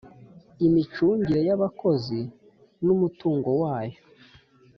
imicungire y abakozi n umutungo wayo